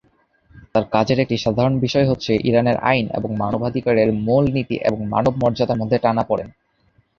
তার কাজের একটি সাধারণ বিষয় হচ্ছে ইরানের আইন এবং মানবাধিকারের মূল নীতি এবং মানব মর্যাদার মধ্যে টানাপোড়েন।